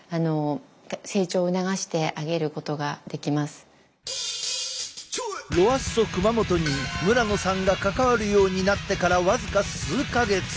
大体ロアッソ熊本に村野さんが関わるようになってから僅か数か月。